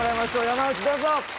山内どうぞ！